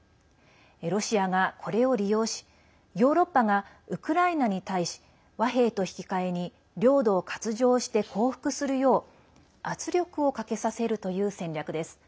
ロシアが、これを利用しヨーロッパがウクライナに対し和平と引き換えに領土を割譲して降伏するよう圧力をかけさせるという戦略です。